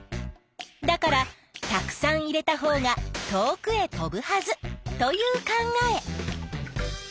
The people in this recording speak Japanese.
だからたくさん入れたほうが遠くへ飛ぶはずという考え。